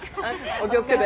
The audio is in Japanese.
お気を付けて。